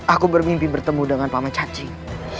aku bermimpi bertemu dengan pama cacing